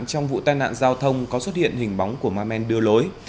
trong vụ tai nạn giao thông có xuất hiện hình bóng của ma men đưa lối